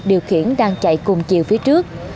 điều khiển đang chạy cùng chiều phía trước